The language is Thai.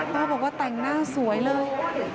บอกว่าแต่งหน้าสวยเลย